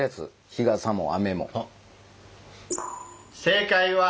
日傘も雨も。